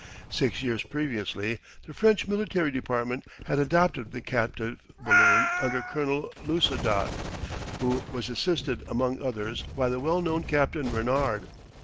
Six years previously the French military department had adopted the captive balloon under Colonel Laussedat, who was assisted among others by the well known Captain Renard.